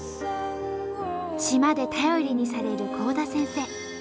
島で頼りにされる幸多先生。